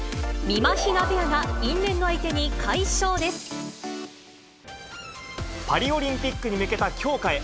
みまひなペアが、因縁の相手パリオリンピックに向けた強化へ。